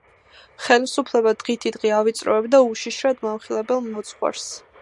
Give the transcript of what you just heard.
ხელისუფლება დღითიდღე ავიწროებდა უშიშრად მამხილებელ მოძღვარს.